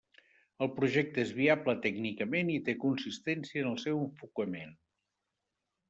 El projecte és viable tècnicament i té consistència en el seu enfocament.